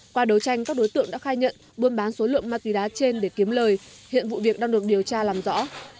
qua đấu tranh các đối tượng đã khai nhận buôn bán số lượng ma túy đá trên để kiếm lời hiện vụ việc đang được điều tra làm rõ